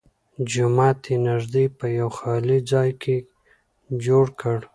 جومات یې نږدې په یوه خالي ځای کې جوړ کړ.